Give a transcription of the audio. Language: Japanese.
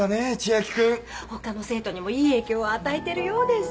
ほかの生徒にもいい影響を与えてるようですし。